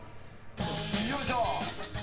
よいしょ！